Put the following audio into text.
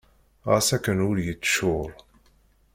Ɣas akken ul yeččur.